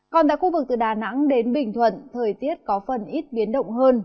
còn tại khu vực từ đà nẵng đến bình thuận thời tiết có phần ít biến động hơn